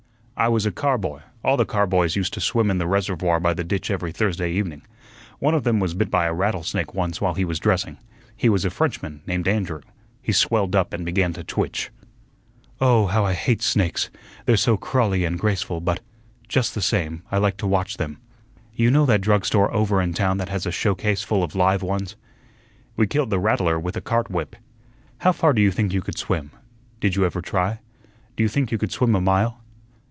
"I was a car boy; all the car boys used to swim in the reservoir by the ditch every Thursday evening. One of them was bit by a rattlesnake once while he was dressing. He was a Frenchman, named Andrew. He swelled up and began to twitch." "Oh, how I hate snakes! They're so crawly and graceful but, just the same, I like to watch them. You know that drug store over in town that has a showcase full of live ones?" "We killed the rattler with a cart whip." "How far do you think you could swim? Did you ever try? D'you think you could swim a mile?"